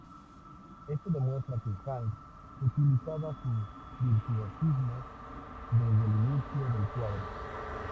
Esto demuestra que Hals utilizaba su virtuosismo desde el inicio del cuadro.